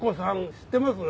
知ってます？